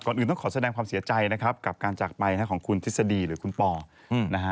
อื่นต้องขอแสดงความเสียใจนะครับกับการจากไปของคุณทฤษฎีหรือคุณปอนะฮะ